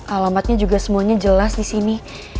alamatnya juga semuanya jelas di sini